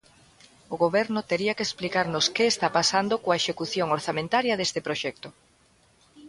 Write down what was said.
O Goberno tería que explicarnos que está pasando coa execución orzamentaria deste proxecto.